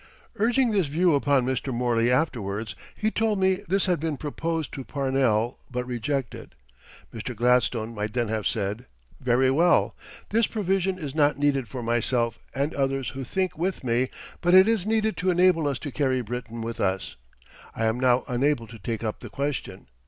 Urging this view upon Mr. Morley afterwards, he told me this had been proposed to Parnell, but rejected. Mr. Gladstone might then have said: "Very well, this provision is not needed for myself and others who think with me, but it is needed to enable us to carry Britain with us. I am now unable to take up the question.